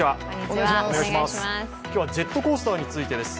今日はジェットコースターについてです。